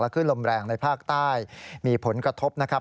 ขึ้นลมแรงในภาคใต้มีผลกระทบนะครับ